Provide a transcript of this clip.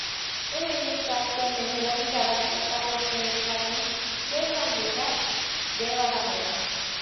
En ella está actualmente radicada la Parroquia del Carmen de Sanlúcar de Barrameda.